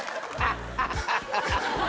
ハハハハッ！